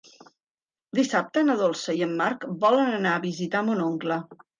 Dissabte na Dolça i en Marc volen anar a visitar mon oncle.